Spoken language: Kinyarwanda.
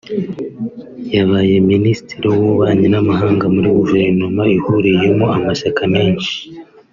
yabaye minister w’ububanyi n’amahanga muri Guverinoma ihuriyemo amashyaka menshi